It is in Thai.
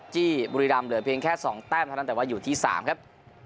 ที่บุรีรำเหลือเพียงแค่๒แต้มเท่านั้นแต่ว่าอยู่ที่๓ครับ